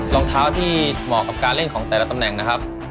รองเท้าที่เหมาะกับการเล่นของแต่ละตำแหน่งนะครับ